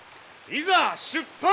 いざ出発！